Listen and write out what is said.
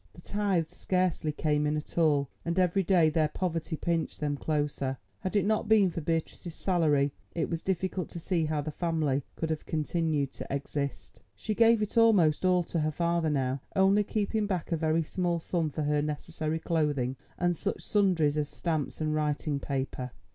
The tithes scarcely came in at all, and every day their poverty pinched them closer. Had it not been for Beatrice's salary it was difficult to see how the family could have continued to exist. She gave it almost all to her father now, only keeping back a very small sum for her necessary clothing and such sundries as stamps and writing paper.